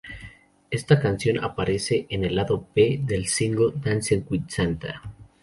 Está canción aparece en el lado B del single Dancin' with Santa.